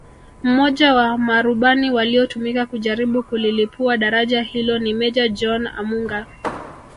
Mmoja wa marubani waliotumika kujaribu kulilipua daraja hilo ni Meja John Amunga